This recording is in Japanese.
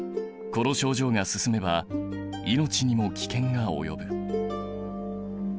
この症状が進めば命にも危険が及ぶ。